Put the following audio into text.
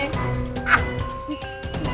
tunggulah kamu nih emas